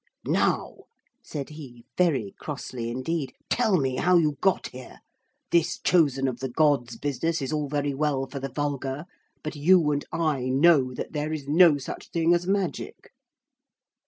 'Now,' said he, very crossly indeed, 'tell me how you got here. This Chosen of the Gods business is all very well for the vulgar. But you and I know that there is no such thing as magic.'